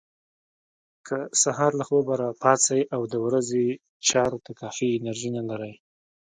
که سهار له خوبه پاڅئ او د ورځې چارو ته کافي انرژي نه لرئ.